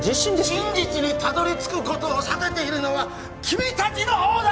真実にたどり着くことを避けているのは君達の方だ！